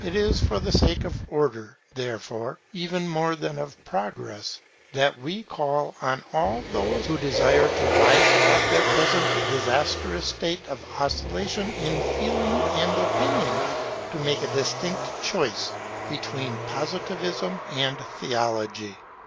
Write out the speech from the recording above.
It is for the sake of Order therefore, even more than of Progress, that we call on all those who desire to rise above their present disastrous state of oscillation in feeling and opinion, to make a distinct choice between Positivism and Theology.